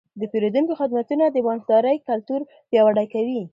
د پیرودونکو خدمتونه د بانکدارۍ کلتور پیاوړی کوي.